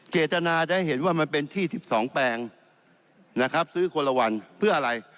เจตนาจะให้เห็นว่ามันเป็นที่๑๒แปลงนะครับซื้อคนละวันเพื่ออะไร